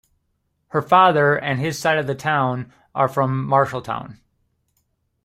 Her father and his side of the family are from Marshalltown.